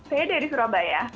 saya dari surabaya